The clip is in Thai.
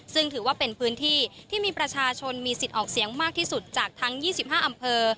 ซึ่งถือว่าเป็นพื้นที่ที่มีประชาชนมีสิทธิ์ออกเสียงมากที่สุดจากทั้ง๒๕อำเภอ